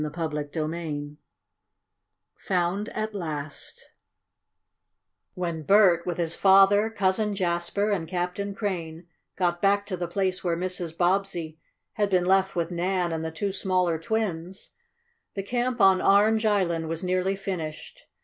CHAPTER XXII FOUND AT LAST When Bert, with his father, Cousin Jasper and Captain Crane, got back to the place where Mrs. Bobbsey had been left with Nan and the two smaller twins, the camp on Orange Island was nearly finished.